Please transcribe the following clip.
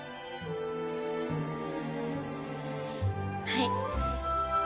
はい。